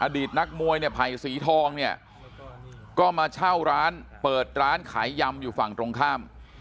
ตนักมวยเนี่ยไผ่สีทองเนี่ยก็มาเช่าร้านเปิดร้านขายยำอยู่ฝั่งตรงข้าม